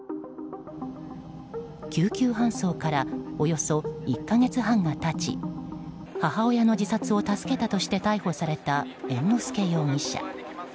救急搬送からおよそ１か月半が経ち母親の自殺を助けたとして逮捕された猿之助容疑者。